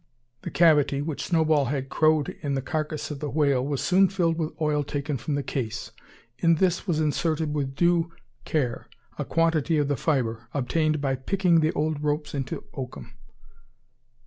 The cavity, which Snowball had "crowed" in the carcass of the whale was soon filled with oil taken from the case. In this was inserted with due care a quantity of the fibre, obtained by "picking" the old ropes into oakum.